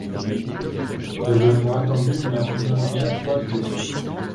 L'événement attendu n'a finalement pas lieu.